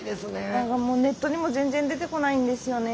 何かもうネットにも全然出てこないんですよね。